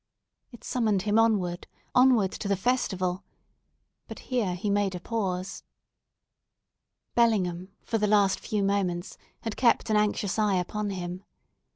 It summoned him onward—inward to the festival!—but here he made a pause. Bellingham, for the last few moments, had kept an anxious eye upon him.